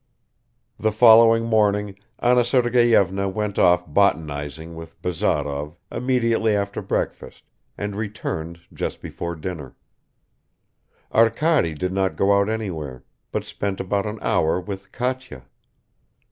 The following morning Anna Sergeyevna went off botanizing with Bazarov immediately after breakfast and returned just before dinner; Arkady did not go out anywhere, but spent about an hour with Katya.